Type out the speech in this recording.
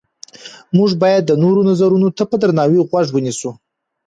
موږ باید د نورو نظرونو ته په درناوي غوږ ونیسو